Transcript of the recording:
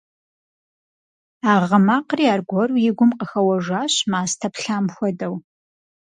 А гъы макъри аргуэру и гум къыхэуэжащ мастэ плъам хуэдэу.